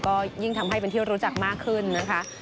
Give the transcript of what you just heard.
ก็ยิ่งทำให้เป็นที่รู้จักมากขึ้นนะคะ